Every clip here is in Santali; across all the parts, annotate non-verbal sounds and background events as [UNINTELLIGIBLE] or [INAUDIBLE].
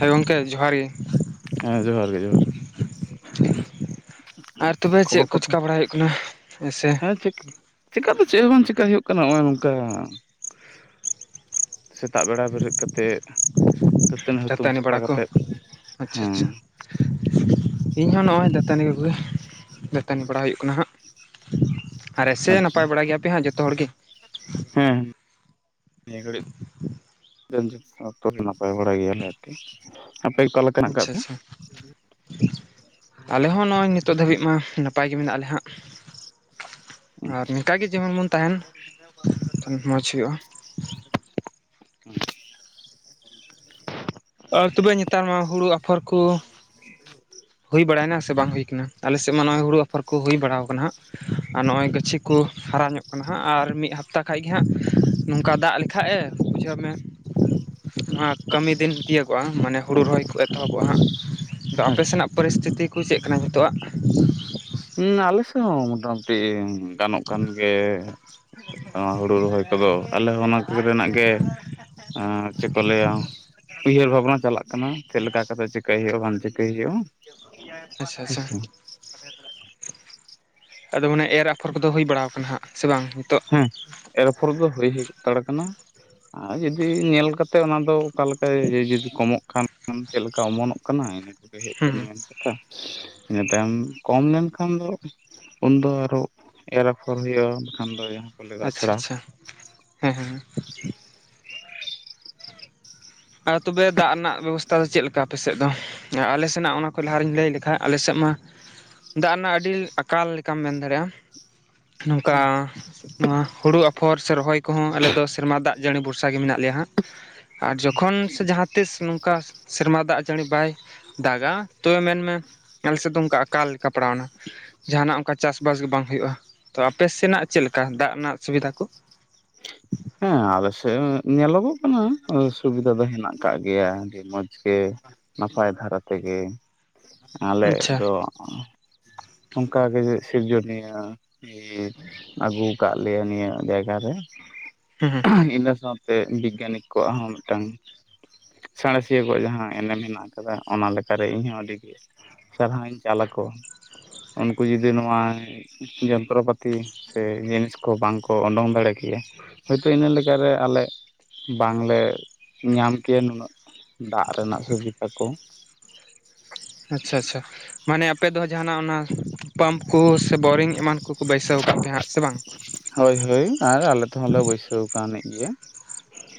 ᱦᱮᱸ ᱜᱚᱝᱠᱮ ᱡᱚᱦᱟᱨ ᱜᱮ᱾ ᱦᱮᱸ ᱡᱚᱦᱟᱨ ᱜᱮ ᱡᱚᱦᱟᱨ ᱜᱮ᱾ ᱟᱨ ᱛᱚᱵᱮ ᱪᱮᱫ ᱠᱷᱚᱵᱚᱨ ᱠᱚ ᱠᱚᱫᱚ ᱪᱮᱠᱟ ᱵᱟᱲᱟᱭ ᱦᱩᱭᱩᱜ ᱠᱟᱱᱟ ᱦᱮᱸᱥᱮ? ᱦᱮᱸ ᱪᱮᱠᱟ ᱫᱚ ᱪᱮᱫ ᱦᱚᱸ ᱵᱟᱝ ᱪᱮᱠᱟ ᱦᱩᱭᱩᱜ ᱠᱟᱱᱟ ᱦᱚᱸᱜᱼᱚᱭ ᱱᱚᱝᱠᱟ᱾ ᱥᱮᱛᱟᱜ ᱵᱮᱲᱟ ᱵᱮᱨᱮᱫ ᱠᱟᱛᱮᱜ ᱫᱟᱹᱛᱟᱹᱱᱤ ᱦᱩᱛᱩᱢ ᱥᱟᱯᱷᱟ ᱵᱟᱲᱟ ᱠᱚ ᱠᱟᱛᱮᱜ ᱟᱪᱪᱷᱟ ᱦᱮᱸᱼᱼ ᱟᱪᱪᱷᱟ ᱤᱧ ᱦᱚᱸ ᱱᱚᱜᱼᱚᱭ ᱫᱟᱹᱛᱟᱹᱱᱤ ᱠᱚᱜᱮ ᱵᱵᱷᱩᱛ ᱤᱡ ᱤᱡ ᱱᱤ ᱵᱟᱲᱟ ᱦᱩᱭᱩᱜ ᱠᱟᱱᱟ ᱦᱟᱸᱜ ᱟᱨᱮ ᱥᱮ ᱟᱪᱪᱷᱟ ᱱᱟᱯᱟᱭ ᱵᱟᱲᱟ ᱜᱮᱭᱟ ᱯᱮ ᱦᱟᱸᱜ ᱡᱚᱛᱚ ᱦᱚᱲ ᱜᱮ ᱦᱮᱸ ᱱᱤᱭᱟ. ᱜᱷᱟ. ᱲᱤᱡ ᱡᱷᱚᱡᱤᱛ ᱚᱠᱛᱚ ᱱᱟᱯᱟᱭ ᱵᱟᱲᱟ ᱜᱮᱭᱟᱞᱮ ᱟᱨᱠᱤ ᱟᱯᱮ ᱚᱠᱟ ᱞᱮᱠᱟ ᱦᱮᱱᱟᱜ ᱟᱠᱟᱫ ᱟᱪᱪᱷᱟ ᱯᱮᱭᱟ ᱟᱪᱪᱷᱟ ᱟᱞᱮ ᱦᱚᱸ ᱱᱚᱜᱼᱚᱭ ᱱᱤᱛᱳᱜ ᱫᱷᱟᱹᱵᱤᱡ ᱢᱟ ᱱᱟᱯᱟᱭ ᱜᱮ ᱢᱮᱱᱟᱜ ᱞᱮ ᱦᱟᱸᱜ ᱟᱨ ᱱᱚᱝᱠᱟ ᱜᱮ ᱡᱮᱢᱚᱱ ᱵᱚᱱ ᱛᱟᱦᱮᱱ ᱢᱚᱡᱽ ᱦᱩᱭᱩᱜᱼᱟ [UNINTELLIGIBLE] ᱟᱨ ᱛᱚᱵᱮ ᱱᱮᱛᱟᱨ ᱢᱟ ᱦᱩᱲᱩ ᱟᱯᱷᱚᱨ, ᱠᱚ ᱦᱩᱭ ᱵᱟᱲᱟᱭᱱᱟ ᱥᱮ ᱵᱟᱝ ᱦᱩᱭ ᱠᱟᱱᱟ? ᱟᱞᱮ ᱥᱮᱫ ᱢᱟ ᱱᱚᱭ ᱦᱩᱲᱩ ᱟᱯᱷᱚᱨ ᱠᱚ ᱦᱩᱭ ᱵᱟᱲᱟᱣ ᱠᱟᱱᱟ ᱦᱟᱸᱜ ᱟᱨ ᱱᱚᱜ-ᱚᱭ ᱜᱟᱹᱪᱷᱤ ᱠᱚ ᱦᱟᱨᱟ ᱧᱚᱜ ᱠᱟᱱᱟ ᱦᱟᱸᱜ ᱟᱨ ᱢᱤᱫ ᱦᱟᱯ ᱛᱟ ᱠᱷᱟᱱ ᱜᱮ ᱦᱟᱜ ᱱᱚᱝᱠᱟ ᱫᱟᱜ ᱞᱮᱠᱷᱟᱡ ᱮ ᱵᱩᱡᱷᱟᱹᱣ ᱢᱮ ᱱᱚᱣᱟ ᱠᱟᱹᱢᱤ ᱫᱤᱱ ᱛᱤᱭᱟᱹ ᱠᱚᱣᱟ ᱢᱟᱱᱮ ᱦᱳᱲᱩ ᱨᱚᱦᱚᱭ ᱠᱚ ᱮᱛᱚᱦᱚᱵᱚᱣᱟᱜ-ᱟ ᱦᱟᱸᱜ ᱟᱫᱚ ᱟᱯᱮ ᱟᱪᱪᱷᱟ ᱥᱮᱱᱟᱜ ᱯᱚᱨᱤᱥᱛᱷᱤᱛᱤ ᱠᱚ ᱪᱮᱫ ᱠᱟᱱᱟ ᱱᱤᱛᱳᱜ-ᱟᱜ ᱦᱩᱸ ᱟᱞᱮ ᱥᱮᱫ ᱦᱚ ᱢᱚᱴᱟᱢᱩᱴᱤ ᱜᱟᱱᱚᱜ ᱠᱟᱱ ᱜᱮ ᱱᱚᱣᱟ ᱦᱩᱲᱩ ᱨᱚᱦᱚᱭ ᱠᱚᱫᱚ ᱟᱞᱮ ᱦᱚᱸ ᱚᱱᱟ ᱨᱮᱱᱟᱜ ᱜᱮ ᱪᱮᱫ ᱠᱚ ᱞᱟᱹᱭ ᱟ ᱩᱭᱦᱟᱹᱨ ᱵᱷᱟᱵᱱᱟ ᱪᱟᱞᱟᱜ ᱠᱟᱱᱟ ᱪᱮᱫ ᱞᱮᱠᱟ ᱠᱟᱛᱮ ᱪᱤᱠᱟᱹᱭ ᱦᱩᱭᱩᱜ-ᱟ ᱵᱟᱝ ᱪᱤᱠ ᱪᱤᱠᱟ. ᱭ ᱦᱩᱭᱩᱜ-ᱟ ᱟᱪᱪᱷᱟ ᱦᱮ ᱟᱪᱪᱷᱟ ᱥᱮ ᱟᱫᱚ ᱢᱟᱱᱮ ᱮᱨ ᱟᱯᱷᱚᱨ ᱠᱚᱫᱚ ᱦᱩᱭ ᱵᱟᱲᱟ ᱠᱟᱱᱟ ᱦᱟᱸᱜ ᱥᱮ ᱵᱟᱝ? ᱱᱤᱛᱚᱜ ᱦᱮᱸ ᱮᱨ ᱟᱯᱷᱚᱨ ᱫᱚ ᱦᱩᱭᱛᱟᱲ ᱠᱟᱱᱟ᱾ ᱟᱨ ᱡᱩᱫᱤ ᱧᱮᱞ ᱠᱟᱛᱮᱫ ᱚᱱᱟ ᱫᱚ ᱚᱠᱟᱞᱮᱠᱟ ᱡᱩᱫᱤ ᱠᱚᱢᱚᱜ ᱠᱷᱟᱱ ᱪᱮᱫ ᱞᱮᱠᱟ ᱚᱢᱚᱱᱚᱜ ᱠᱟᱱᱟ ᱦᱮᱡ ᱦᱩᱸ ᱠᱟᱱᱟ ᱦᱩᱸ ᱠᱟᱛᱷᱟ ᱤᱱᱟ. ᱛᱟᱭᱚᱢ ᱠᱚᱢ ᱞᱮᱱᱠᱷᱟᱱ ᱫᱚ ᱩᱱᱫᱚ ᱟᱨᱚ ᱮᱨ ᱟᱯᱷᱚᱨ ᱦᱩᱭᱩᱜ-ᱟ ᱵᱟᱠᱷᱟᱱ ᱫᱚ ᱮᱭ ᱟᱪᱪᱷᱟ ᱟᱪᱪᱷᱟ ᱦᱮᱸ ᱦᱮᱸ ᱟᱨ ᱛᱚᱵᱮ ᱫᱟᱜ ᱨᱮᱱᱟᱜ ᱵᱮᱵᱚᱥᱛᱷᱟ ᱫᱚ ᱪᱮᱫ ᱞᱮᱠᱟ? ᱟᱯᱮ ᱥᱮᱫ ᱫᱚ ᱟᱞᱮ ᱥᱮᱱᱟᱜ ᱚᱱᱟ ᱠᱚ ᱞᱟᱦᱟ ᱨᱮᱧ ᱞᱟᱹᱭ ᱞᱮᱠᱷᱟ ᱟᱞᱮ ᱥᱮᱫ ᱢᱟ ᱫᱟᱜ ᱨᱮᱱᱟᱜ ᱟᱹᱰᱤ ᱟᱠᱟᱞ ᱞᱮᱠᱟᱢ ᱢᱮᱱ ᱫᱟᱲᱮᱭᱟᱜ-ᱟ ᱱᱚᱝᱠᱟ ᱱᱚᱣᱟ ᱦᱩᱲᱩ ᱟᱯᱷᱚᱨ ᱥᱮ ᱨᱚᱦᱚᱭ ᱠᱚᱦᱚᱸ ᱟᱞᱮᱫᱚ ᱥᱮᱨᱢᱟ ᱫᱟᱜ ᱡᱟ. ᱲᱤ ᱵᱷᱚᱨᱥᱟ ᱜᱮ ᱢᱮᱱᱟᱜ ᱞᱮᱭᱟ ᱦᱟᱸᱜ ᱟᱨ ᱡᱚᱠᱷᱚᱱ ᱥᱮ ᱡᱟᱦᱟᱸ ᱛᱤ ᱱᱚᱝᱠᱟ ᱥᱮᱨᱢᱟ ᱫᱟᱜ ᱡᱟᱹᱲᱤ ᱵᱟᱭ ᱫᱟᱜᱟ ᱛᱚᱵᱮ ᱢᱮᱱᱢᱮ ᱟᱞᱮ ᱥᱮᱫ ᱫᱚ ᱚᱱᱠᱟ ᱟᱠᱟᱞ ᱠᱟᱯᱲᱟᱣ ᱱᱟᱣ ᱡᱟᱦᱟᱱᱟᱜ ᱚᱱᱠᱟ ᱪᱟᱥ ᱵᱟᱥ ᱜᱮ ᱵᱟᱝ ᱦᱩᱭᱩᱜ-ᱟ ᱛᱚ ᱟᱯᱮ ᱥᱮᱱᱟᱜ ᱪᱮᱫ ᱞᱮᱠᱟ ᱫᱟᱜ ᱨᱮᱱᱟᱜ ᱥᱩᱵᱤᱫᱷᱟ ᱠᱩ ᱦᱮᱸ ᱟᱞᱮ ᱥᱮᱫ ᱧᱮᱞᱚᱜᱚᱜ ᱠᱟᱱᱟ ᱥᱩᱵᱤᱫᱟ ᱫᱚ ᱦᱮᱱᱟᱜ ᱟᱠᱟᱜ ᱜᱮᱭᱟ ᱟᱹᱰᱤ ᱢᱚᱸᱡᱽ ᱜᱮ᱾ ᱱᱟᱯᱟᱭ ᱫᱷᱟᱨᱟ ᱛᱮᱜᱮ ᱟᱞᱮ ᱟᱪᱪᱷᱟ ᱫᱚ ᱚᱱᱠᱟ ᱜᱮ ᱥᱤᱨᱡᱚᱱᱤᱭᱟᱹ ᱟᱹᱜᱩ ᱠᱟᱜ ᱞᱮᱭᱟ ᱱᱤᱭᱟᱹ ᱡᱟᱭᱜᱟ ᱨᱮ ᱦᱩ ᱦᱩ ᱤᱱᱟᱹ ᱥᱟᱶᱛᱮ ᱵᱤᱜᱽᱜᱟᱱᱤᱠ ᱠᱚᱣᱟᱜ ᱦᱚᱸ ᱢᱤᱫᱴᱟᱝ ᱥᱟᱬᱮᱥᱤᱭᱟᱹ ᱠᱚᱣᱟᱜ ᱡᱟᱦᱟᱸ ᱮᱱᱮᱢ ᱢᱮᱱᱟ ᱦᱮᱱᱟᱜ ᱟᱠᱟᱫᱟ ᱚᱱᱟᱠᱟᱨᱮ ᱤᱧᱦᱚᱸ ᱟᱹᱰᱤ ᱜᱮ ᱥᱟᱨᱦᱟᱣ ᱤᱧ ᱪᱟᱞ ᱟᱠᱚᱣᱟ ᱩᱱᱠᱩ ᱡᱩᱫᱤ ᱱᱚᱣᱟ ᱡᱚᱱᱛᱨᱚᱯᱟᱹᱛᱤ ᱥᱮ ᱡᱤᱱᱤᱥ ᱠᱚ ᱵᱟᱝ ᱠᱚ ᱩᱰᱩᱝ ᱫᱟᱲᱮ ᱠᱮᱭᱟ ᱦᱳᱭᱛᱚ ᱤᱱᱟᱹ ᱞᱮᱠᱟ ᱨᱮ ᱟᱞᱮ ᱵᱟᱝᱞᱮ ᱧᱟᱢ ᱠᱮᱭᱟ ᱱᱩᱱᱟᱹᱜ ᱫᱟᱜ ᱨᱮᱱᱟᱜ ᱥᱩᱵᱤᱫᱷᱟ ᱠᱚ ᱟᱪᱪᱷᱟ ᱟᱪᱪᱷᱟ ᱢᱟᱱᱮ ᱟᱯᱮ ᱫᱚ ᱡᱟᱦᱱᱟᱜ ᱚᱱᱟ ᱯᱟᱢᱯ ᱠᱚ ᱥᱮ ᱵᱳᱨᱤᱝ ᱮᱢᱟᱱ ᱩᱱᱠᱩ ᱠᱚ ᱵᱟᱹᱭᱥᱟᱹᱣ ᱠᱟᱜ ᱯᱮ ᱦᱟᱸᱜ ᱥᱮ ᱵᱟᱝ ᱦᱳᱭ ᱦᱳᱭ ᱟᱨ ᱟᱞᱮ ᱛᱮᱦᱚᱸᱞᱮ ᱵᱟᱹᱭᱥᱟᱹᱣ ᱠᱟᱣᱱᱤ ᱜᱮᱭᱟ᱾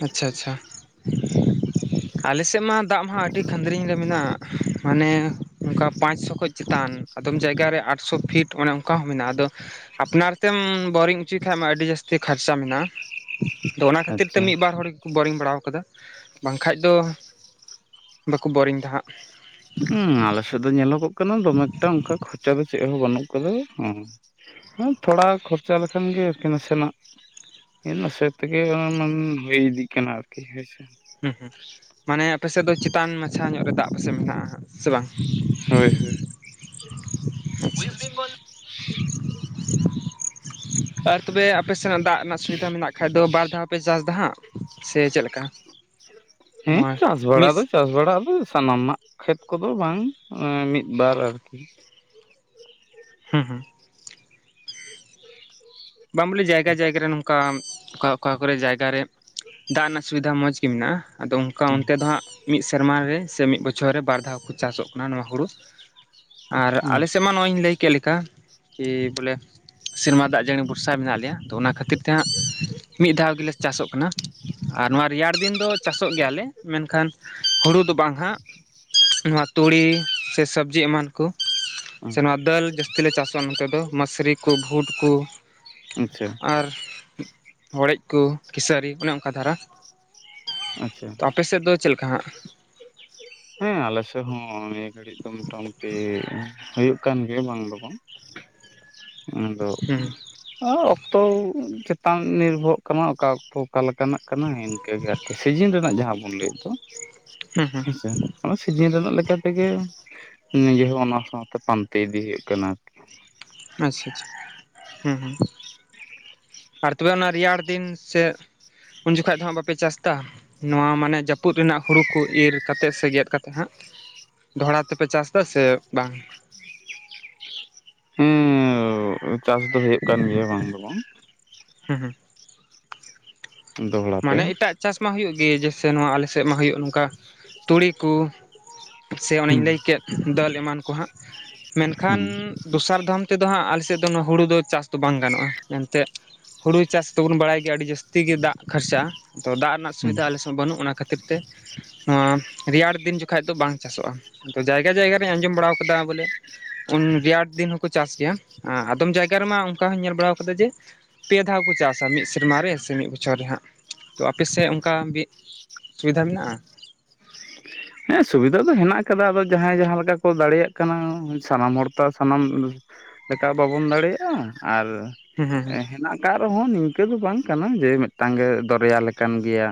ᱟᱪᱪᱷᱟ ᱟᱪᱪᱷᱟ ᱟᱞᱮ ᱥᱮᱫ ᱢᱟ ᱫᱟᱜ ᱢᱟ ᱟᱹᱰᱤ ᱠᱷᱟᱫᱽᱨᱤᱧ ᱨᱮ ᱢᱮᱱᱟᱜ-ᱟ ᱢᱟᱱᱮ ᱚᱱᱠᱟ ᱯᱟᱸᱪᱥᱚ ᱠᱷᱚᱱ ᱪᱮᱛᱟᱱ ᱟᱫᱚᱢ ᱡᱟᱭᱜᱟᱨᱮ ᱟᱴᱥᱚ ᱯᱷᱤᱴ ᱚᱱᱮ ᱚᱱᱠᱟ ᱦᱚᱸ ᱢᱮᱱᱟᱜ-ᱟ ᱟᱫᱚ ᱟᱯᱱᱟᱨ ᱛᱮᱢ ᱵᱳᱨᱤᱝ ᱦᱚᱪᱚᱭ ᱠᱷᱟᱱᱡ ᱢᱟ ᱟᱹᱰᱤ ᱡᱟᱹᱥᱛᱤ ᱠᱷᱚᱨᱪᱟ ᱢᱮᱱᱟᱜ-ᱟ ᱛᱚ ᱚᱱᱟ ᱠᱷᱟᱹᱛᱤᱨ ᱛᱮ ᱟᱪᱪᱷᱟ ᱢᱤᱫᱵᱟᱨ ᱵᱟᱨ ᱦᱚᱲ ᱜᱮᱠᱚ ᱵᱳᱨᱤᱝ ᱵᱟᱲᱟ ᱠᱟᱫᱟ ᱵᱟᱝᱠᱷᱟᱡ ᱫᱚ ᱵᱟᱠᱚ ᱵᱳᱚᱨᱤᱝ ᱫᱟ ᱦᱟᱸᱜ ᱦᱮᱸ ᱟᱞᱮᱥᱮᱫ ᱫᱚ ᱧᱮᱞᱚᱜᱚᱜ ᱠᱟᱱᱟ ᱫᱚᱢᱮᱠᱴᱟ ᱚᱱᱠᱟ ᱠᱷᱚᱨᱪᱟ ᱪᱮᱫ ᱦᱚᱸ ᱵᱟᱹᱱᱩᱜ ᱠᱟᱫᱟ ᱦᱮ ᱛᱷᱚᱲᱟ ᱠᱷᱚᱨᱪᱟ ᱞᱮᱠᱷᱟᱱ ᱜᱮ ᱟᱨᱠᱤ ᱱᱟᱥᱮᱱᱟᱜ ᱱᱟᱥᱮ ᱛᱮᱜᱮ ᱦᱩᱭ ᱤᱫᱤᱜ ᱠᱟᱱᱟ ᱟᱨᱠᱤ ᱦᱮᱭᱥᱮ ᱦᱩᱸ ᱦᱩᱸ ᱢᱟᱱᱮ ᱟᱯᱮ ᱥᱮᱫ ᱫᱚ ᱪᱮᱛᱟᱱ ᱢᱟᱪᱷᱟ ᱧᱚᱜ ᱨᱮ ᱫᱟᱜ ᱯᱟᱥᱮ ᱢᱮᱱᱟᱜ-ᱟ ᱥᱮ ᱵᱟᱝ ᱦᱳᱭ ᱦᱳᱭ ᱟᱪᱪᱷᱟ ᱟᱪᱪᱷᱟ ᱟᱨ ᱛᱚᱵᱮ ᱟᱯᱮ ᱥᱮᱱᱟᱜ ᱫᱟᱜ ᱨᱮᱱᱟᱜ ᱥᱩᱵᱤᱫᱷᱟ ᱢᱮᱱᱟᱜ ᱠᱷᱟᱱ ᱫᱚ ᱵᱟᱨ ᱫᱷᱟᱣ ᱯᱮ ᱪᱟᱥ ᱫᱟ ᱦᱟᱸᱜ ᱥᱮ ᱪᱮᱫ ᱞᱮᱠᱟ? ᱦᱮᱸ ᱱᱚᱣᱟ ᱪᱟᱥ ᱵᱟᱲᱟ ᱢᱤᱫ ᱫᱚ ᱪᱟᱥ ᱵᱟᱲᱟ ᱫᱚ ᱥᱟᱱᱟᱢᱟᱜ ᱠᱷᱮᱛ ᱠᱚᱫᱚ ᱵᱟᱝ ᱢᱤᱫ ᱵᱟᱨ ᱟᱨᱠᱤ ᱦᱮᱸ ᱦᱮᱸ [INAUDIBLE] ᱵᱟᱝ ᱵᱚᱞᱮ ᱡᱟᱭᱜᱟ ᱡᱟᱭᱜᱟ ᱨᱮ ᱱᱚᱝᱠᱟ ᱚᱠᱟ ᱚᱠᱟ ᱠᱚᱨᱮ ᱡᱟᱭᱜᱟᱨᱮ ᱫᱟᱜ ᱨᱮᱱᱟᱜ ᱥᱩᱵᱤᱫᱷᱟ ᱢᱚᱡᱽ ᱜᱮ ᱢᱮᱱᱟᱜ-ᱟ ᱟᱫᱚ ᱚᱱᱠᱟ ᱚᱱᱛᱮ ᱫᱚ ᱦᱟᱸᱜ ᱢᱤᱫ ᱥᱮᱨᱢᱟ ᱨᱮ ᱥᱮ ᱢᱤᱫ ᱵᱚᱪᱷᱚᱨ ᱨᱮ ᱵᱟᱨ ᱫᱷᱟᱣ ᱠᱚ ᱪᱟᱥᱚᱜ ᱠᱟᱱᱟ ᱱᱚᱣᱟ ᱦᱩᱲᱩ ᱟᱨ ᱦᱩᱸ ᱟᱞᱮ ᱥᱮ ᱛᱮᱢᱟ ᱱᱚᱜ-ᱚᱭ ᱤᱧ ᱞᱟᱹᱭ ᱠᱮᱫ ᱞᱮᱠᱟ ᱠᱤ ᱵᱚᱞᱮ ᱥᱮᱨᱢᱟ ᱫᱟᱜ ᱡᱟᱹᱲᱤ ᱵᱷᱚᱨᱥᱟ ᱢᱮᱱᱟᱜ ᱞᱮᱭᱟ ᱛᱚ ᱚᱱᱟ ᱠᱷᱟᱹᱛᱤᱨ ᱛᱮᱦᱟᱸᱜ ᱢᱤᱫ ᱫᱷᱟᱣ ᱜᱮᱞᱮ ᱪᱟᱥᱚᱜ ᱠᱟᱱᱟ ᱟᱨ ᱱᱚᱣᱟ ᱨᱮᱭᱟᱲ ᱫᱤᱱ ᱫᱚ ᱪᱟᱥᱚᱜ ᱜᱮᱭᱟᱞᱮ ᱢᱮᱱᱠᱷᱟᱱ ᱦᱩᱲᱩ ᱫᱚ ᱵᱟᱝ ᱦᱟᱸᱜ, ᱱᱚᱣᱟ ᱛᱩᱲᱤ ᱥᱮ ᱥᱚᱵᱽᱡᱤ ᱮᱢᱟᱱ ᱠᱚ, ᱥᱮ ᱱᱚᱣᱟ ᱫᱟᱹᱞ ᱡᱟᱹᱥᱛᱤ ᱞᱮ ᱪᱟᱥᱚᱜ-ᱟ ᱱᱚᱛᱮ ᱫᱚ ᱢᱟᱹᱥᱨᱤ ᱠᱩ, ᱵᱷᱩᱴ ᱠᱩ, ᱟᱪᱪᱷᱟ ᱟᱨ ᱦᱚᱲᱮᱡ ᱠᱚ ᱠᱤᱥᱟᱹᱨᱤ ᱚᱱᱮ ᱚᱱᱠᱟ ᱫᱷᱟᱨᱟ ᱟᱪᱪᱷᱟ ᱟᱯᱮᱥᱮᱫ ᱫᱚ ᱪᱮᱫ ᱞᱮᱠᱟ ᱦᱟᱸᱜ? ᱦᱮᱸ ᱟᱞᱮ ᱥᱮᱫ ᱦᱚᱸ ᱱᱤᱭᱟᱹ ᱜᱷᱟᱹᱲᱤᱡ ᱫᱚ ᱢᱚᱴᱟᱢᱩᱴᱤ ᱦᱩᱭᱩᱜ ᱠᱟᱱ ᱜᱮᱭᱟ ᱵᱟᱝ ᱫᱚ ᱵᱟᱝ ᱟᱫᱚ ᱦᱩᱸ ᱚᱠᱛᱚ ᱪᱮᱛᱟᱱ ᱱᱤᱨᱵᱷᱚᱨᱚᱜ ᱠᱟᱱᱟ ᱚᱠᱟ ᱚᱠᱛᱚ ᱚᱠᱟ ᱞᱮᱠᱟᱱᱟᱜ ᱠᱟᱱᱟ ᱤᱱᱠᱟᱹᱜᱮ ᱟᱨᱠᱤ ᱥᱤᱡᱤᱱ ᱨᱮᱱᱟᱜ ᱡᱟᱦᱟᱸ ᱵᱚᱱ ᱞᱟᱹᱭᱮᱫ ᱫᱚ ᱦᱩᱸ ᱦᱩᱸ ᱦᱮᱸᱥᱮ᱾ ᱚᱱᱟ ᱥᱤᱡᱤᱱ ᱨᱮᱱᱟᱜ ᱞᱮᱠᱟᱛᱮᱜᱮ ᱱᱤᱡᱮ ᱦᱚᱸ ᱚᱱᱟ ᱥᱟᱶᱛᱮ ᱯᱟᱱᱛᱮ ᱤᱫᱤ ᱦᱩᱭᱩᱜ ᱠᱟᱱᱟ ᱟᱨᱠᱤ᱾ ᱟᱪᱪᱷᱟ ᱟᱪᱪᱷᱟ ᱦᱩᱸ ᱦᱩᱸ ᱟᱨ ᱛᱚᱵᱮ ᱚᱱᱟ ᱨᱮᱭᱟᱲ ᱫᱤᱱ ᱥᱮ ᱩᱱ ᱡᱩᱠᱷᱟ ᱫᱚ ᱦᱟᱸᱜ ᱵᱟᱯᱮ ᱪᱟᱥ ᱫᱟ? ᱱᱚᱣᱟ ᱢᱟᱱᱮ ᱡᱟᱹᱯᱩᱫ ᱨᱮᱱᱟᱜ ᱦᱩᱲᱩ ᱠᱚ ᱤᱨ ᱠᱟᱛᱮᱜ ᱥᱮ ᱜᱮᱫ ᱠᱟᱛᱜ ᱦᱟᱸᱜ ᱫᱚᱦᱲᱟ ᱛᱮᱯᱮ ᱪᱟᱥ ᱫᱟ ᱥᱮ ᱵᱟᱝ? ᱦᱮᱸ ᱪᱟᱥ ᱫᱚ ᱦᱩᱭᱩᱜ ᱠᱟᱱ ᱜᱮᱭᱟ ᱵᱟᱝ ᱫᱚ ᱵᱟᱝ ᱦᱮᱸ ᱦᱩᱸ ᱫᱚᱦᱲᱟ ᱛᱮ ᱢᱟᱱᱮ ᱮᱴᱟᱜ ᱪᱟᱥ ᱢᱟ ᱦᱩᱭᱩᱜ ᱜᱮ ᱡᱮᱥᱮ ᱱᱚᱣᱟ ᱟᱞᱮ ᱥᱮᱫ ᱢᱟ ᱦᱩᱭᱩᱜ ᱱᱚᱝᱠᱟ ᱛᱩᱲᱤ ᱠᱩ, ᱥᱮ ᱚᱱᱮᱧ ᱦᱩᱸ ᱞᱟᱹᱭ ᱠᱮᱫ ᱫᱟᱹᱞ ᱮᱢᱟᱱ ᱠᱚ ᱦᱟᱸᱜ ᱢᱮᱱᱠᱷᱟᱱ ᱦᱩᱸ ᱫᱚᱥᱟᱨ ᱫᱷᱚᱢ ᱛᱮᱫᱚ ᱦᱟᱸᱜ ᱟᱞᱮᱥᱮᱫ ᱫᱚ ᱦᱩᱲᱩ ᱫᱚ ᱪᱟᱥ ᱫᱚ ᱵᱟᱝ ᱜᱟᱱᱚᱜ-ᱟ ᱮᱱᱛᱮᱫ ᱦᱩᱲᱩ ᱪᱟᱥ ᱫᱚᱵᱚᱱ ᱵᱟᱲᱟᱭ ᱜᱮᱭᱟ ᱟᱹᱰᱤ ᱡᱟᱹᱥᱛᱤ ᱜᱮ ᱫᱟᱜ ᱠᱷᱟᱨᱪᱟᱜ-ᱟ ᱛᱚ ᱫᱟᱜ ᱨᱮᱱᱟᱜ ᱦᱩᱸ ᱥᱩᱵᱤᱫᱷᱟ ᱟᱞᱮ ᱵᱟᱹᱱᱩᱜ ᱚᱱᱟ ᱠᱷᱟᱹᱛᱤᱨ ᱛᱮ ᱱᱚᱣᱟ ᱨᱮᱭᱟᱲ ᱫᱤᱱ ᱡᱚᱠᱷᱟᱡ ᱫᱚ ᱵᱟᱝ ᱪᱟᱥᱚᱜ-ᱟ ᱡᱟᱭᱜᱟ ᱡᱟᱭᱜᱟ ᱨᱤᱧ ᱟᱸᱡᱚᱢ ᱵᱟᱲᱟᱣ ᱠᱟᱫᱟ ᱵᱚᱞᱮ ᱨᱮᱭᱟᱲ ᱫᱤᱱ ᱦᱚᱸᱠᱚ ᱪᱟᱥ ᱜᱮᱭᱟ ᱟᱫᱚᱢ ᱡᱟᱭᱜᱟ ᱨᱮᱢᱟ ᱚᱱᱠᱟ ᱦᱚᱧ ᱧᱮᱞ ᱵᱟᱲᱟᱣ ᱠᱟᱫᱟ ᱡᱮ ᱯᱮ ᱫᱷᱟᱣ ᱠᱚ ᱪᱟᱥᱟ ᱢᱤᱫ ᱥᱮᱨᱢᱟᱨ ᱨᱮ ᱥᱮ ᱢᱤᱫ ᱵᱚ ᱨᱮ ᱦᱟᱜ ᱛᱚ ᱟᱯᱮᱥᱮᱫ ᱚᱱᱠᱟ ᱥᱩᱵᱤᱫᱷᱟ ᱢᱮᱱᱟᱜ-ᱟ? ᱦᱮᱸ ᱥᱩᱵᱤᱫᱷᱟ ᱫᱚ ᱦᱮᱱᱟᱜ ᱟᱠᱟᱫᱟ ᱟᱫᱚ ᱡᱟᱦᱟᱸᱭ ᱡᱟᱦᱟᱸ ᱞᱮᱠᱟ ᱠᱚ ᱫᱟᱲᱮᱭᱟᱜ ᱠᱟᱱᱟ ᱥᱟᱱᱟᱢ ᱦᱚᱲ ᱛᱚ ᱥᱟᱱᱟᱢ ᱞᱮᱠᱟ ᱵᱟᱵᱚᱱ ᱫᱟᱲᱮᱭᱟᱜ-ᱟ ᱟᱨ ᱦᱩᱸ ᱦᱩᱸ ᱦᱩᱸ ᱦᱮᱱᱟᱜ ᱠᱟᱜ ᱨᱮᱦᱚᱸ ᱱᱤᱝᱠᱟᱹ ᱫᱚ ᱵᱟᱝ ᱠᱟᱱᱟ ᱡᱮ ᱢᱮᱫᱴᱟᱝ ᱜᱮ ᱫᱚᱨᱭᱟ ᱞᱮᱠᱟᱱ ᱜᱮᱭᱟ,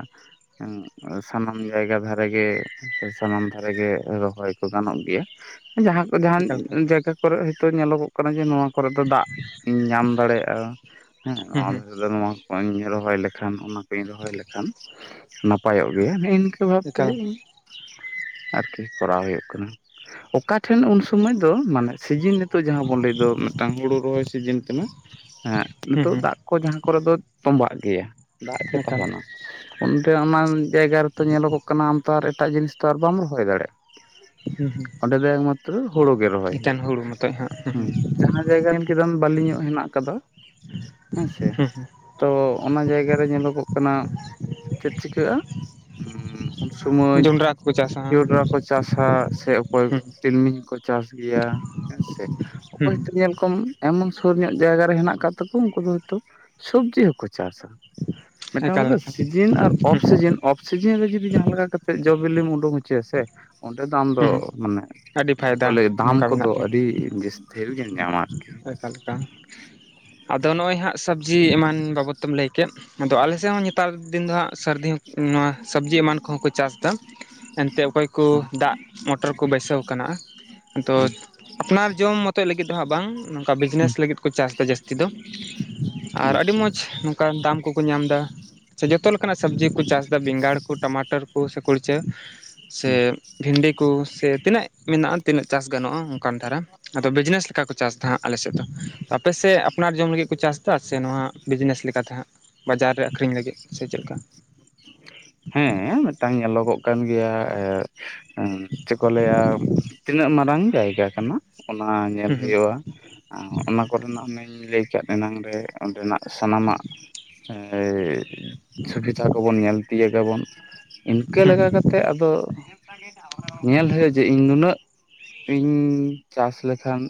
ᱥᱟᱱᱟᱢ ᱡᱟᱭᱜᱟ ᱫᱷᱟᱨᱮ ᱜᱮ ᱥᱟᱱᱟᱢ ᱫᱷᱟᱨᱮ ᱜᱮ ᱨᱚᱦᱚᱭ ᱠᱚ ᱜᱟᱱᱚᱜ ᱜᱮᱭᱟ ᱡᱟᱦᱟᱸ ᱠᱚ ᱡᱟᱦᱟᱱ ᱮᱠᱟᱞ ᱡᱟᱭᱜᱟ ᱠᱚᱨᱮ ᱦᱳᱭᱛᱚ ᱧᱮᱞᱚ ᱜᱚᱜ ᱠᱟᱱᱟ ᱡᱮ ᱱᱚᱣᱟ ᱠᱚᱨᱮ ᱫᱚ ᱫᱟᱜ ᱧᱟᱢ ᱫᱟᱲᱮᱭᱟᱜ-ᱟ ᱦᱮᱸ ᱦᱩᱸ ᱱᱚᱣᱟ ᱦᱩᱸ ᱫᱷᱟᱨᱮ ᱫᱚ ᱱᱚᱣᱟ ᱠᱧ ᱨᱚᱦᱚᱭ ᱞᱮᱠᱷᱟᱱ ᱚᱱᱟ ᱠᱚᱧ ᱨᱚᱦᱚᱭ ᱞᱮᱠᱷᱟᱱ ᱱᱟᱯᱟᱭᱚᱜ ᱜᱮᱭᱟ ᱱᱤ ᱤ ᱵᱷᱟᱵᱛᱮ ᱮᱠᱟᱞ ᱟᱨᱠᱤ ᱠᱚᱨᱟᱣ ᱦᱩᱭᱩᱜ ᱠᱟᱱᱟ ᱚᱠᱟ ᱴᱷᱮᱱ ᱩᱱ ᱥᱩᱢᱚᱭ ᱫᱚ ᱢᱟᱱᱮ ᱥᱤᱡᱤᱱ ᱱᱤᱛᱚᱜ ᱡᱟᱦᱟᱸ ᱵᱚᱱ ᱞᱟᱹᱭ ᱫᱚ ᱢᱤᱫᱴᱟᱝ ᱦᱩᱲᱩ ᱨᱚᱦᱚᱭ ᱥᱤᱡᱤᱱ ᱠᱟᱱᱟ ᱦᱮᱸ ᱦᱩᱸ ᱱᱤᱛᱚᱜ ᱦᱩᱸ ᱫᱟᱜ ᱠᱚ ᱡᱟᱦᱟᱸ ᱠᱚᱨᱮ ᱫᱚ ᱛᱚᱸᱵᱟᱜ ᱜᱮᱭᱟ ᱫᱟᱜ ᱜᱮ ᱮᱠᱟᱞ ᱛᱟᱦᱮᱱᱟ ᱚᱱᱛᱮ ᱚᱱᱟ ᱡᱟᱭᱜᱟ ᱨᱮᱛᱚ ᱧᱮᱞᱚᱜᱚᱜ ᱠᱟᱱᱟ ᱟᱢ ᱛᱚ ᱟᱨ ᱮᱴᱟᱜ ᱡᱤᱱᱤᱥ ᱛᱚ ᱟᱨ ᱵᱟᱢ ᱨᱚᱦᱚᱭ ᱫᱟᱲᱮᱭᱟᱜ ᱦᱩᱸ ᱦᱩᱸ ᱚᱸᱰᱮ ᱫᱚ ᱮᱠᱢᱟᱛᱨᱚ ᱦᱩᱲᱩ ᱜᱮ ᱨᱚᱦᱚᱭ ᱮᱠᱮᱱ ᱦᱩᱭᱩᱜᱼᱟ ᱦᱩᱲᱩ ᱢᱚᱛᱚᱡ ᱦᱟᱸᱜ ᱦᱩᱸ ᱡᱟᱦᱟᱸ ᱡᱟᱭᱜᱟ ᱠᱮᱫᱟᱢ ᱵᱟᱹᱞᱤᱧᱚᱜ ᱦᱮᱱᱟᱜ ᱟᱠᱟᱫᱟ ᱦᱮᱸᱥᱮ ᱦᱩᱸ ᱦᱩᱸ ᱾ ᱛᱚ ᱚᱱᱟ ᱡᱟᱭᱜᱟ ᱨᱮ ᱧᱮᱞᱚᱜᱚᱜ ᱠᱟᱱᱟ ᱪᱮᱫ ᱪᱤᱠᱟᱹᱜᱼᱟ ᱾ ᱩᱱ ᱥᱚᱢᱚᱭ ᱡᱚᱱᱰᱨᱟ ᱠᱚᱠᱚ ᱪᱟᱥᱟ ᱦᱟᱸᱜ ᱡᱚᱸᱰᱨᱟ ᱠᱚ ᱠᱚ ᱪᱟᱥᱟ ᱥᱮ ᱚᱠᱚᱭ ᱦᱩᱸ ᱛᱤᱞᱢᱤᱧ ᱠᱚ ᱪᱟᱥ ᱜᱮᱭᱟ ᱦᱮᱸ ᱥᱮ ᱦᱩᱸ ᱚᱠᱚᱭ ᱦᱳᱛᱚ ᱧᱮᱞ ᱠᱚᱢ ᱮᱢᱚᱱ ᱥᱩᱨ ᱧᱚᱜ ᱡᱟᱭᱜᱟ ᱨᱮ ᱦᱮᱱᱟᱠᱟᱜ ᱟᱠᱟᱫ ᱛᱟᱠᱚ ᱩᱱᱠᱩ ᱫᱚ ᱥᱚᱵᱽᱡᱤ ᱦᱚᱸᱠᱚ ᱪᱟᱥᱟ ᱾ ᱢᱤᱫᱴᱟᱝ ᱦᱚᱲ ᱮᱠᱟᱞ ᱫᱚ ᱮᱠᱟᱞ ᱥᱤᱡᱤᱱ ᱟᱨ ᱚᱯᱷ ᱥᱤᱡᱤᱱ ᱚᱯᱷ ᱥᱤᱡᱤᱱ ᱨᱮ ᱡᱩᱫᱤ ᱡᱟᱦᱟᱸ ᱞᱮᱠᱟ ᱠᱟᱛᱮᱜ ᱡᱚ ᱵᱤᱞᱤᱢ ᱩᱰᱩᱝ ᱦᱚᱪᱚᱭᱟᱥᱮ ᱾ ᱚᱸᱰᱮ ᱫᱟᱢ ᱫᱚ ᱦᱩᱸ ᱦᱩᱸ ᱢᱟᱱᱮ ᱟᱹᱰᱤ ᱡᱟᱦᱟᱸ ᱠᱚ ᱯᱷᱟᱭᱫᱟ ᱞᱟᱹᱭ ᱫᱷᱟᱢ ᱚᱱᱠᱟ ᱠᱚᱫᱚ ᱟᱹᱰᱤ ᱡᱟᱹᱥᱛᱤ ᱾ ᱰᱷᱮᱨ ᱜᱮᱢ ᱧᱟᱢᱟ᱾ ᱟᱨᱠᱤ ᱚᱠᱟᱞᱮᱠᱟ ᱟᱫᱚ ᱱᱚᱜᱼᱚᱭ ᱦᱟᱸᱜ ᱥᱚᱵᱽᱡᱤ ᱮᱢᱟᱱ ᱵᱟᱵᱚᱫ ᱛᱮᱢ ᱞᱟᱹᱭ ᱠᱮᱫ ᱟᱫᱚ ᱟᱞᱮ ᱥᱮᱫ ᱦᱚᱸ ᱱᱮᱛᱟᱨ ᱫᱤᱱ ᱫᱚ ᱦᱟᱸᱜ ᱥᱟᱨᱫᱤ ᱦᱚᱸᱜ ᱱᱚᱣᱟ ᱥᱚᱵᱽᱡᱤ ᱮᱢᱟᱱ ᱠᱚᱦᱚᱸ ᱠᱚ ᱪᱟᱥ ᱮᱱᱛᱮᱜ ᱚᱠᱚᱭ ᱠᱚ ᱦᱩᱸ ᱫᱟᱜ ᱢᱚᱴᱚᱨ ᱠᱚ ᱵᱟᱹᱭᱥᱟᱹᱣ ᱠᱟᱱᱟ ᱾ ᱟᱫᱚ ᱦᱩᱸ ᱟᱯᱱᱟᱨ ᱡᱚᱢ ᱢᱚᱛᱚᱡ ᱞᱟᱹᱜᱤᱫ ᱫᱚ ᱦᱟᱸᱜ ᱵᱟᱝ ᱱᱚᱝᱠᱟ ᱦᱩᱸ ᱵᱤᱡᱽᱱᱮᱥ ᱞᱟᱹᱜᱤᱫ ᱠᱚ ᱪᱟᱥᱫᱟ ᱡᱟᱹᱥᱛᱤ ᱫᱚ ᱾ ᱟᱨ ᱟᱹᱰᱤ ᱟᱪᱪᱷᱟ ᱢᱚᱸᱡᱽ ᱱᱚᱝᱠᱟ ᱫᱟᱢ ᱠᱚᱠᱚ ᱧᱟᱢ ᱮᱫᱟ ᱾ ᱥᱮ ᱡᱚᱛᱚ ᱞᱮᱠᱟᱱᱟᱜ ᱥᱚᱵᱽᱡᱤ ᱠᱚ ᱪᱟᱥ ᱮᱫᱟ ᱵᱮᱸᱜᱟᱲ ᱠᱚ ᱴᱟᱢᱟᱴᱟᱨ ᱠᱚ ᱥᱮ ᱠᱚ ᱤᱪᱟᱹ ᱦᱩᱸ ᱥᱮ ᱵᱷᱤᱱᱰᱤ ᱠᱚ ᱥᱮ ᱛᱤᱱᱟᱹᱜ ᱢᱮᱱᱟᱜᱼᱟ ᱛᱤᱱᱟᱹᱜ ᱪᱟᱥ ᱜᱟᱱᱚᱜᱼᱟ ᱚᱱᱠᱟᱱ ᱫᱷᱟᱨᱟ ᱟᱫᱚ ᱵᱤᱡᱽᱱᱮᱥ ᱞᱮᱠᱟ ᱠᱚ ᱪᱟᱥᱫᱟ ᱦᱟᱸᱜ ᱾ ᱪᱚᱞᱚ ᱟᱯᱮᱥᱮᱫ ᱟᱯᱱᱟᱨ ᱡᱚᱢ ᱞᱟᱹᱜᱤᱫ ᱠᱚ ᱪᱟᱥᱫᱟ ᱥᱮ ᱱᱚᱣᱟ ᱵᱤᱡᱽᱱᱮᱥ ᱞᱮᱠᱟᱛᱮ ᱦᱟᱸᱜ ᱾ ᱵᱟᱡᱟᱨ ᱨᱮ ᱟᱠᱷᱨᱤᱧ ᱞᱟᱹᱜᱤᱫ ᱥᱮ ᱪᱮᱫ ᱞᱮᱠᱟ ᱦᱮᱸ ᱢᱤᱫᱴᱟᱝ ᱧᱮᱞᱚᱜᱚᱜ ᱠᱟᱱ ᱜᱮᱭᱟ᱾ ᱮᱸ ᱪᱮᱫ ᱠᱚ ᱞᱟᱹᱭᱟ ᱛᱤᱱᱟᱹᱜ ᱢᱟᱨᱟᱝ ᱡᱟᱭᱜᱟ ᱠᱟᱱᱟ ᱚᱱᱟ ᱧᱮᱞ ᱦᱩᱸ ᱦᱩᱭᱩᱜᱼᱟ ᱾ ᱮᱸ ᱚᱱᱟ ᱠᱚᱨᱮᱱᱟᱜ ᱢᱟᱹᱧ ᱞᱟᱹᱭ ᱠᱟᱫ ᱮᱱᱟᱝ ᱨᱮ ᱚᱸᱰᱮᱱᱟᱜ ᱥᱟᱱᱟᱢᱟᱜ ᱾ [UNINTELLIGIBLE] ᱥᱩᱵᱤᱫᱟ ᱠᱚᱵᱚᱱ ᱧᱮᱞ ᱛᱤᱭᱠᱟᱵᱚᱱ ᱤᱱᱠᱟᱹ ᱦᱩᱸ ᱞᱮᱠᱟ ᱠᱟᱛ ᱛᱮ ᱟᱫᱚ ᱧᱮᱞ ᱦᱩᱭᱩᱜᱼᱟ ᱡᱮ ᱤᱧ ᱱᱩᱱᱟᱹᱜ ᱨᱤᱧ ᱪᱟᱥ ᱞᱮᱠᱷᱟᱱ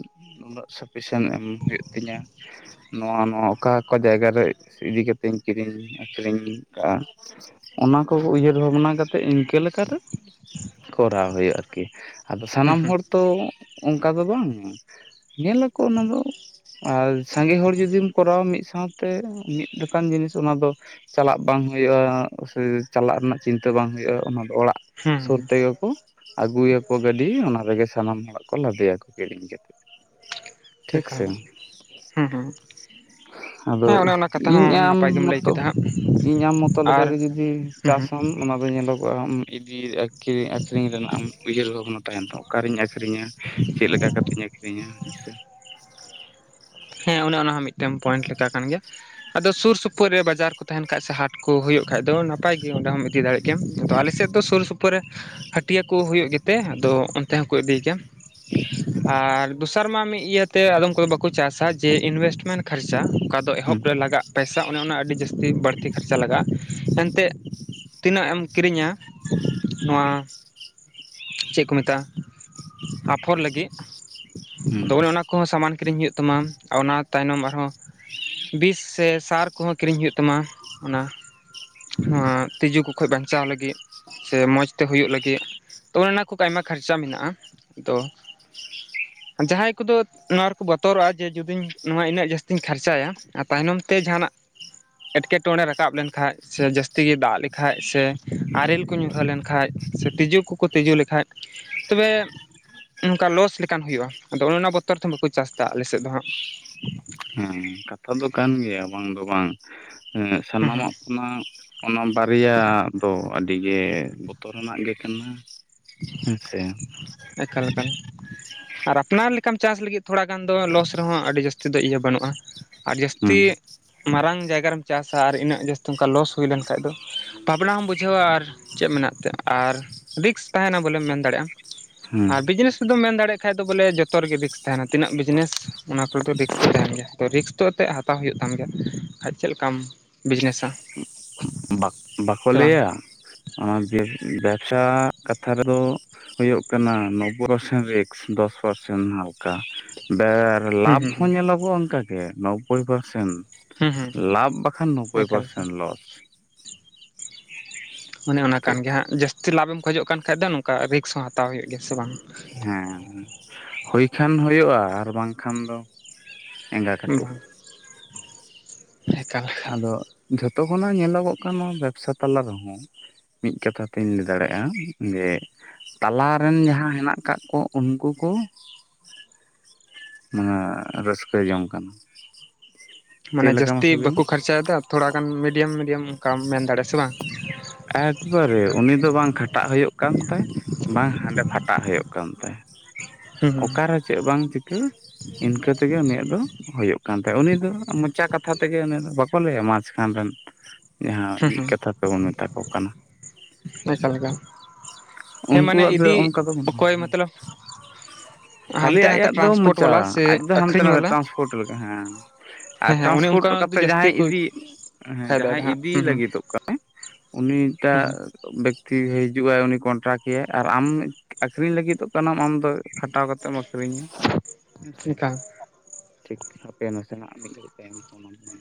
ᱩᱱᱟᱹᱜ ᱥᱟᱯᱷᱤᱥᱮᱱ ᱮᱢ ᱦᱩᱭᱩᱜ ᱛᱤᱧᱟᱹ ᱾ ᱱᱚᱣᱟ ᱱᱚᱣᱟ ᱚᱠᱟ ᱠᱚ ᱡᱟᱭᱜᱟ ᱨᱮ ᱤᱫᱤ ᱠᱟᱛᱮ ᱤᱧ ᱠᱤᱨᱤᱧ ᱟᱠᱷᱨᱤᱧ ᱠᱟᱜᱼᱟ ᱾ ᱚᱱᱟ ᱠᱚ ᱩᱭᱦᱟᱹᱨ ᱵᱷᱟᱵᱽᱱᱟ ᱠᱟᱛᱮᱜ ᱤᱱᱠᱟᱹ ᱞᱮᱠᱟᱛᱮ ᱾ ᱠᱚᱨᱟᱣ ᱦᱩᱭᱩᱜᱼᱟ ᱟᱨᱠᱤ ᱟᱫᱚ ᱦᱩᱸ ᱦᱩᱸ ᱥᱟᱱᱟᱢ ᱦᱚᱲ ᱛᱚ ᱚᱱᱠᱟ ᱫᱚ ᱵᱟᱝᱼ ᱧᱮᱞᱟᱠᱚ ᱚᱱᱟ ᱫᱚ ᱟᱨ ᱥᱟᱸᱜᱮ ᱦᱚᱲ ᱡᱩᱚᱫᱤᱢ ᱠᱚᱨᱟᱣᱟ ᱢᱤᱫ ᱥᱟᱶᱛᱮ ᱢᱤᱫ ᱞᱮᱠᱟᱱ ᱡᱤᱱᱤᱥ ᱚᱱᱟ ᱫᱚ ᱪᱟᱞᱟᱜ ᱵᱟᱝ ᱦᱩᱭᱩᱜᱼᱟ ᱥᱮ ᱪᱟᱞᱟᱜ ᱨᱮᱱᱟᱜ ᱪᱤᱱᱛᱟᱹ ᱵᱟᱝ ᱦᱩᱭᱩᱜᱼᱟ ᱚᱱᱟ ᱫᱚ ᱚᱲᱟᱜ ᱦᱩᱸ ᱥᱩᱨ ᱦᱩᱸ ᱦᱩᱸ ᱛᱮᱜᱮ ᱠᱚ ᱟᱹᱜᱩᱭᱟᱠᱚ ᱜᱟᱹᱰᱤ ᱾ ᱰᱤ ᱚᱱᱟ ᱨᱮᱜᱮ ᱥᱟᱱᱟᱢ ᱦᱚᱲᱟᱜ ᱠᱚ ᱞᱟᱫᱮᱭᱟᱠᱚ ᱠᱤᱨᱤᱧ ᱠᱟᱛᱮ ᱾ ᱮᱠᱷᱟᱱ ᱦᱩᱸ ᱦᱩᱸ᱾ ᱟᱫᱚ ᱦᱮᱸ ᱚᱱᱮ ᱚᱱᱟ ᱠᱟᱛᱷᱟ ᱤᱧ ᱦᱚᱸ ᱟᱢ ᱱᱟᱯᱟᱭ ᱜᱮᱢ ᱞᱟᱹᱭ ᱢᱚᱛᱚ ᱠᱮᱫᱟ ᱦᱟᱸᱜ ᱤᱧ ᱟᱢ ᱢᱚᱛᱚ ᱞᱮᱠᱟ ᱟᱨ ᱜᱮ ᱡᱩᱫᱤ ᱦᱩᱸ ᱪᱟᱥ ᱦᱩᱸ ᱟᱢ ᱾ ᱚᱱᱟ ᱫᱚ ᱧᱮᱞᱚᱜᱚᱜᱼᱟ ᱟᱢ ᱤᱰᱤᱨ ᱟᱹᱠᱷᱨᱤᱧ ᱨᱮᱱᱟᱜ ᱮᱢ ᱩᱭᱦᱟᱹᱨ ᱵᱷᱟᱵᱽᱱᱟ ᱛᱟᱦᱮᱱ ᱛᱟᱢᱟ᱾ ᱚᱠᱟᱨᱮᱧ ᱟᱹᱠᱷᱨᱤᱧᱟ ᱪᱮᱫ ᱞᱮᱠᱟ ᱠᱟᱛᱮᱧ ᱟᱹᱠᱷᱨᱤᱧᱟ ᱦᱮᱸ ᱥᱮ ᱦᱮᱸ ᱚᱱᱮ ᱚᱱᱟᱦᱚᱸ ᱢᱤᱫᱴᱮᱱ ᱯᱚᱭᱮᱱᱴ ᱞᱮᱠᱟ ᱠᱟᱱ ᱜᱮᱭᱟ ᱾ ᱟᱫᱚ ᱥᱩᱨ ᱥᱩᱯᱩᱨ ᱨᱮ ᱵᱟᱡᱟᱨ ᱠᱚ ᱛᱟᱦᱮᱱ ᱠᱷᱟᱡ ᱥᱮ ᱦᱟᱴ ᱠᱚᱦᱩᱭᱩ ᱠᱷᱟᱡ ᱫᱚ ᱱᱟᱯᱟᱭ ᱜᱮ ᱚᱸᱰᱮᱢ ᱦᱚᱢ ᱤᱫᱤ ᱫᱟᱲᱮᱭᱟᱜ ᱜᱮᱭᱟᱢ ᱟᱫᱚ ᱟᱞᱮ ᱥᱮᱫ ᱦᱚᱸ ᱛᱚ ᱥᱩᱨ ᱥᱩᱯᱩᱨ ᱨᱮ ᱦᱟᱹᱴᱭᱟᱹ ᱠᱚ ᱦᱩᱭᱩᱜ ᱜᱮᱛᱮ ᱟᱫᱚ ᱚᱱᱛᱮ ᱦᱚᱸᱠᱚ ᱤᱫᱤᱭ ᱜᱮᱭᱟ᱾ ᱟᱨ ᱫᱚᱥᱟᱨ ᱢᱟ ᱢᱤᱫ ᱤᱭᱟᱹᱛᱮ ᱟᱫᱚ ᱩᱱᱠᱩ ᱫᱚ ᱵᱟᱠᱚ ᱪᱟᱥᱟ ᱡᱮ ᱤᱱᱵᱷᱮᱥᱴᱢᱮᱱᱴ ᱠᱷᱚᱨᱪᱟ ᱚᱠᱟ ᱫᱚ ᱮᱦᱚᱵ ᱦᱮᱸ ᱨᱮ ᱞᱟᱜᱟᱜᱼᱟ ᱯᱚᱭᱥᱟ ᱚᱱᱮ ᱚᱱᱟ ᱟᱹᱰᱤ ᱡᱟᱹᱥᱛᱤ ᱵᱟᱹᱲᱛᱤ ᱠᱷᱚᱨᱪᱟ ᱞᱟᱜᱟᱜᱼᱟ ᱮᱱᱛᱮᱫ ᱛᱤᱱᱟᱹᱜ ᱮᱢ ᱠᱤᱨᱤᱧᱟ ᱱᱚᱣᱟ ᱪᱮᱫ ᱠᱚ ᱢᱮᱛᱟᱜᱼᱟ ᱟᱯᱷᱚᱨ ᱞᱟᱹᱜᱤᱫ ᱟᱫᱚ ᱚᱱᱮ ᱦᱮᱸ ᱚᱱᱟ ᱠᱚᱦᱚᱸ ᱥᱟᱢᱟᱱ ᱠᱤᱨᱤᱧ ᱦᱩᱭᱩᱜ ᱛᱟᱢᱟ ᱟᱨ ᱚᱱᱟ ᱛᱟᱭᱱᱚᱢ ᱟᱨᱦᱚᱸ ᱵᱤᱥ ᱥᱮ ᱥᱟᱨ ᱠᱚᱦᱚᱸ ᱠᱤᱨᱤᱧ ᱦᱩᱭᱩᱜ ᱛᱟᱢᱟ ᱚᱱᱟ᱾ ᱦᱚᱸ ᱛᱤᱡᱩ ᱠᱚ ᱠᱷᱚᱡ ᱵᱟᱧᱪᱟᱣ ᱞᱟᱹᱜᱤᱫ ᱥᱮ ᱢᱚᱸᱡᱽ ᱛᱮ ᱦᱩᱭᱩᱜ ᱞᱟᱹᱜᱤᱫ ᱛᱚ ᱚᱱᱮ ᱚᱱᱟ ᱠᱚ ᱟᱭᱢᱟ ᱠᱷᱚᱨᱪᱟ ᱢᱮᱱᱟᱜᱼᱟ ᱛᱚ ᱡᱟᱦᱟᱸᱭ ᱠᱚᱫᱚ ᱱᱚᱣᱟ ᱨᱮᱠᱚ ᱵᱚᱛ ᱛᱚᱨᱚᱜᱼᱟ ᱡᱮ ᱡᱩᱫᱤᱧ ᱱᱚᱣᱟ ᱤᱱᱟᱹᱜ ᱡᱟᱹᱥᱛᱤᱧ ᱠᱷᱟᱨᱪᱟᱭᱟ, ᱟᱨ ᱛᱟᱭᱱᱚᱢ ᱛᱮ ᱡᱟᱦᱟᱸᱱᱟᱜ ᱮᱴᱠᱮᱴᱚᱬᱮ ᱨᱟᱠᱟᱵ ᱞᱮᱱᱠᱷᱟᱡ, ᱥᱮ ᱡᱟᱹᱥᱛᱤ ᱜᱮ ᱫᱟᱜ ᱞᱮᱠᱷᱟᱡ, ᱥᱮ ᱟᱨᱮᱞ ᱠᱚ ᱧᱩᱨᱦᱟᱹ ᱞᱮᱱᱠᱷᱟᱡ, ᱥᱮ ᱛᱤᱡᱩ ᱠᱚᱠᱚ ᱛᱤᱡᱩ ᱞᱮᱠᱷᱟᱡ᱾ ᱛᱚᱵᱮ ᱚᱱᱠᱟ ᱞᱚᱥ ᱞᱮᱠᱟᱱ ᱦᱩᱭᱩᱜᱼᱟ, ᱟᱫᱚ ᱚᱱᱮ ᱚᱱᱟ ᱵᱚᱛᱚᱨ ᱛᱮ ᱵᱟᱠᱚ ᱪᱟᱥ ᱮᱫᱟ ᱟᱞᱮ ᱥᱮᱫ ᱫᱚ ᱦᱟᱸᱜ᱾ ᱦᱮᱸ ᱠᱟᱛᱷᱟ ᱫᱚ ᱠᱟᱱ ᱜᱮᱭᱟ ᱵᱟᱝ ᱫᱚ ᱵᱟᱝ, ᱮᱸᱻ ᱦᱩᱸ ᱦᱩᱸ ᱥᱟᱱᱟᱢᱟᱜ ᱚᱱᱟ, ᱚᱱᱟ ᱵᱟᱨᱭᱟ ᱫᱚ ᱟᱹᱰᱤ ᱜᱮ ᱵᱚᱛᱚᱨᱟᱱᱟᱜ ᱜᱮ ᱠᱟᱱᱟ, ᱦᱮᱸ ᱥᱮ᱾ ᱮᱠᱟᱞ ᱮᱠᱟᱞ, ᱟᱨ ᱟᱯᱱᱟᱨ ᱞᱮᱠᱟᱢ ᱪᱟᱥ ᱞᱟᱹᱜᱤᱫ ᱛᱷᱚᱲᱟ ᱜᱟᱱ ᱫᱚ ᱞᱚᱥ ᱨᱮᱦᱚᱸ ᱟᱹᱰᱤ ᱡᱟᱹᱥᱛᱤ ᱫᱚ ᱤᱭᱟᱹ ᱵᱟᱹᱱᱩᱜᱼᱟ᱾ ᱟᱨ ᱦᱩᱸ ᱡᱟᱹᱥᱛᱤ, ᱢᱟᱨᱟᱝ ᱡᱟᱭᱜᱟ ᱨᱮᱢ ᱪᱟᱥᱟ ᱟᱨ ᱤᱱᱟᱹᱜ ᱡᱟᱹᱥᱛᱤ ᱚᱱᱠᱟ ᱞᱚᱥ ᱦᱩᱭ ᱞᱮᱱᱠᱷᱟᱡ ᱫᱚ, ᱵᱷᱟᱵᱽᱱᱟ ᱦᱚᱸᱢ ᱵᱩᱡᱷᱟᱹᱣᱟ ᱟᱨ ᱪᱮᱫ ᱢᱮᱱᱟᱜ ᱛᱮ ᱟᱨ ᱨᱤᱠᱥ ᱛᱟᱦᱮᱸᱱᱟ ᱵᱚᱞᱮᱢ ᱢᱮᱱ ᱫᱟᱲᱮᱭᱟᱜᱼᱟ᱾ ᱦᱩᱸ ᱟᱨ ᱵᱤᱡᱽᱱᱮᱥ ᱫᱚᱢ ᱢᱮᱱ ᱫᱟᱲᱮᱜ ᱠᱷᱟᱡ ᱫᱚ ᱵᱚᱞᱮ ᱡᱚᱛᱚ ᱨᱮᱜᱮ ᱨᱤᱠᱥ ᱛᱟᱦᱮᱸᱱᱟ ᱛᱤᱱᱟᱹᱜ ᱵᱤᱡᱽᱱᱮᱥ ᱚᱱᱟ ᱠᱚᱨᱮ ᱫᱚ ᱨᱤᱠᱥ ᱫᱚ ᱛᱟᱦᱮᱸᱱ ᱜᱮᱭᱟ ᱛᱚ ᱨᱤᱠᱥ ᱛᱚ ᱛᱮ ᱦᱟ ᱛᱟᱣ ᱦᱩᱭᱩᱜ ᱛᱟᱢ ᱜᱮᱭᱟ, ᱵᱟᱠᱷᱟᱡ ᱪᱮᱫ ᱞᱮᱠᱟᱢ ᱵᱤᱡᱽᱱᱮᱥᱟ᱾ ᱵᱟ ᱵᱟᱠᱚ ᱥᱮ ᱵᱟᱝ ᱞᱟᱹᱭᱟ, ᱚᱱᱟ ᱵᱮᱵ ᱵᱮᱵᱽᱥᱟ ᱠᱟᱛᱷᱟ ᱨᱮᱫᱚ ᱦᱩᱭᱩᱜ ᱠᱟᱱᱟ ᱱᱳᱵᱵᱳᱭ ᱯᱟᱨᱥᱮᱱᱴ ᱨᱤᱠᱥ, ᱫᱚᱥ ᱯᱟᱨᱥᱮᱱ ᱦᱟᱞᱠᱟ ᱾ ᱵᱮ ᱦᱩᱸ ᱞᱟᱵᱷ ᱦᱩᱸ ᱦᱚᱸ ᱧᱮᱞᱚᱜᱚᱜᱼᱟ ᱚᱱᱠᱟ ᱜᱮ ᱱᱚᱵᱽᱵᱳᱭ ᱯᱟᱨᱥᱮᱱ ᱦᱩᱸ ᱦᱩᱸ ᱞᱟᱵᱽ ᱵᱟᱠᱷᱟᱱ ᱦᱩᱸ ᱱᱚᱵᱽᱵᱳᱭ ᱮᱠᱟᱞ ᱮᱠᱟᱞ ᱯᱟᱨᱥᱮᱱᱴ ᱞᱚᱥ᱾ ᱢᱟᱱᱮ ᱚᱱᱟ ᱠᱟᱱ ᱴᱷᱤᱠ ᱜᱮᱭᱟ ᱦᱟᱸᱜ ᱡᱟᱹᱥᱛᱤ ᱞᱟᱵᱷᱮᱢ ᱠᱷᱚᱡᱚᱜ ᱠᱟᱱ ᱠᱷᱟᱡ ᱫᱚ ᱱᱚᱝᱠᱟ ᱨᱤᱠᱥ ᱦᱚᱸ ᱦᱟᱛᱟᱣ ᱦᱩᱭᱩᱜ ᱜᱮᱭᱟ, ᱥᱮ ᱵᱟᱝ? ᱦᱮᱸ, ᱦᱳᱭ ᱠᱷᱟᱱ ᱦᱳᱭᱳᱜᱼᱟ ᱟᱨ ᱵᱟᱝᱠᱷᱟᱱ ᱫᱚ ᱮᱸᱜᱟ ᱠᱟᱹᱴᱩᱵ᱾ ᱵᱟᱝ ᱮᱠᱟᱞ ᱮᱠᱟᱞ ᱟᱫᱚ ᱡᱷᱚᱛᱚ ᱠᱷᱚᱱᱟᱜ ᱧᱮᱞᱚᱜᱚᱜ ᱠᱟᱱ ᱱᱚᱣᱟ ᱵᱮᱵᱽᱥᱟ ᱛᱟᱞᱟ ᱨᱮᱦᱚᱸ ᱢᱤᱫ ᱠᱟᱛᱷᱟ ᱛᱤᱧ ᱞᱟᱹᱭ ᱫᱟᱲᱮᱭᱟᱜᱼᱟ, ᱡᱮ ᱛᱟᱞᱟ ᱨᱮᱱ ᱡᱟᱦᱟᱸᱭ ᱦᱮᱱᱟᱜ ᱠᱟᱫ ᱠᱚ ᱩᱱᱠᱩ ᱠᱚ ᱛᱤᱱᱟᱹᱜ ᱨᱟᱹᱥᱠᱟᱹ ᱡᱚᱝ ᱠᱟᱱᱟ᱾ ᱢᱟᱱᱮ ᱪᱮᱫ ᱞᱮᱠᱟ ᱡᱟᱹᱥᱛᱤ ᱢᱟᱥᱮ ᱞᱟᱹᱭ ᱵᱟᱠᱚ ᱢᱮ ᱠᱷᱟᱨᱪᱟᱭᱮᱫᱟ ᱛᱷᱚᱲᱟ ᱜᱟᱱ ᱢᱤᱰᱤᱭᱟᱢ ᱢᱤᱰᱤᱭᱟᱢ ᱚᱱᱠᱟᱢ ᱢᱮᱱ ᱫᱟᱲᱮᱭᱟᱜᱼᱟ, ᱥᱮ ᱵᱟᱝ? ᱮᱠᱵᱟᱨᱮ ᱩᱱᱤ ᱫᱚ ᱵᱟᱝ ᱠᱷᱟᱴᱟᱜ ᱦᱳᱭᱳᱜ ᱠᱟᱱ ᱛᱟᱭ, ᱵᱟᱝ ᱦᱟᱸᱰᱮ ᱯᱷᱟᱴᱟᱜ ᱦᱳᱭᱳᱜ ᱠᱟᱱ ᱛᱟᱭ, ᱦᱩᱸ ᱦᱩᱸ ᱚᱠᱟᱨᱮ ᱪᱮᱫ ᱵᱟᱝ ᱪᱤᱠᱟᱹ ᱤᱱᱠᱟᱹ ᱛᱮᱜᱮ ᱩᱱᱤᱭᱟᱜ ᱫᱚ ᱦᱩᱭᱩᱜ ᱠᱟᱱ ᱛᱟᱭᱟ᱾ ᱩᱱᱤ ᱫᱚ ᱢᱚᱪᱟ ᱠᱟᱛᱷᱟ ᱛᱮᱜᱮ ᱩᱱᱤ ᱫᱚ ᱵᱟᱠᱚ ᱞᱟᱹᱭᱟ ᱢᱟᱪᱷᱠᱷᱟᱱ ᱨᱮᱱ ᱡᱟᱦᱟᱸ ᱢᱤᱫ ᱦᱩᱸ ᱠᱟᱛᱷᱟ ᱛᱮ ᱵᱚᱱ ᱢᱮᱛᱟ ᱠᱚ ᱠᱟᱱᱟ ᱮᱠᱟᱞ ᱮᱠᱟᱞ ᱾ ᱩᱱᱠᱩᱣᱟᱜ ᱫᱚ ᱚᱝᱠᱟ ᱫᱚ ᱢᱚᱛᱞᱚᱵ [INAUDIBLE] ᱠᱷᱟᱹᱞᱤ ᱦᱟᱱᱛᱮ ᱱᱟᱛᱮ ᱟᱭᱟᱜ ᱫᱚ ᱴᱨᱟᱱᱥᱯᱳᱨᱴ ᱢᱚᱪᱟ, ᱵᱟᱞᱟ ᱥᱮ ᱟᱡ ᱫᱚ ᱦᱟᱱᱛᱮ ᱟᱹᱠᱷᱨᱤᱧ ᱱᱟᱛᱮ ᱵᱟᱞᱟ ᱴᱨᱟᱱᱥᱯᱳᱨᱴ ᱨᱮᱜᱮ, ᱦᱮᱸ᱾ ᱟᱨ ᱦᱮᱸ ᱦᱮᱸ ᱚᱱᱮ ᱴᱨᱟᱱᱥᱯᱳᱨᱴ ᱚᱱᱠᱟ ᱫᱚ ᱠᱟᱛᱮ ᱡᱟᱹᱥᱛᱤ ᱡᱟᱦᱟᱸᱭ ᱠᱚ ᱤᱫᱤ, ᱦᱮᱸ ᱡᱟᱦᱟᱸᱭ ᱯᱷᱟᱭᱫᱟᱭᱮᱫᱟ ᱦᱟᱸᱜ ᱤᱫᱤ ᱦᱩᱸ ᱞᱟᱹᱜᱤᱫᱚᱜ ᱠᱟ ᱦᱩᱸ ᱩᱱᱤᱴᱟᱜ ᱵᱮᱠᱛᱤᱭ ᱦᱤᱡᱩᱜ ᱟᱭ ᱩᱱᱤ ᱠᱚᱱᱴᱨᱟᱠᱴ ᱮᱭᱟᱭ, ᱟᱨ ᱟᱢ ᱟᱠᱷᱨᱤᱧ ᱞᱟᱹᱜᱤᱫᱚᱜ ᱠᱟᱱᱟᱢ ᱟᱢ ᱫᱚ ᱠᱷᱟᱴᱟᱣ ᱠᱟᱛᱮᱢ ᱟᱹᱠᱷᱨᱤᱧᱟ, ᱦᱮᱸ ᱥᱮ᱾ ᱦᱩᱸ ᱮᱠᱟᱞ ᱴᱷᱤᱠ, ᱦᱟᱯᱮ ᱱᱟᱥᱮᱱᱟᱜ ᱢᱤᱫ ᱜᱷᱟᱲᱤᱡ ᱛᱟᱭᱚᱢ ᱯᱳᱱ ᱟᱢ [INAUDIBLE]